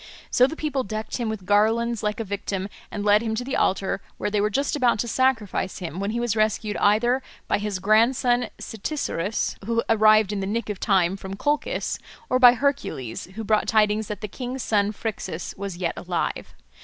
So the people decked him with garlands like a victim and led him to the altar, where they were just about to sacrifice him when he was rescued either by his grandson Cytisorus, who arrived in the nick of time from Colchis, or by Hercules, who brought tidings that the king's son Phrixus was yet alive.